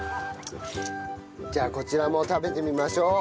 じゃあこちらも食べてみましょう！